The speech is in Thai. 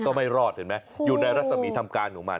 ก็ไม่รอดเห็นไหมอยู่ในรัศมีทำการของมัน